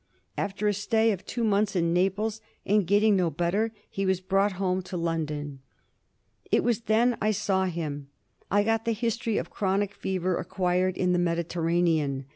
After a stay of two months in Naples, and getting no better, he was brought home to London. It was then I saw him. I got the history of chronic fever acquired in the Mediterranean.